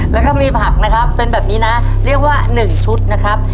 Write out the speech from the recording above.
แล้วก็มีผักนะครับเป็นแบบนี้นะเรียกว่า๑ชุดนะครับ